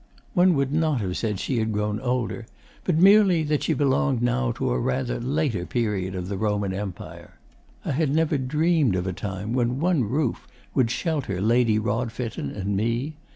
One would not have said she had grown older, but merely that she belonged now to a rather later period of the Roman Empire. I had never dreamed of a time when one roof would shelter Lady Rodfitten and me.